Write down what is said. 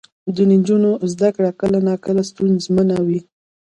د نجونو زده کړه کله ناکله ستونزمنه وي.